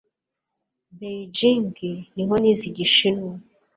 I Beijing niho nize Igishinwa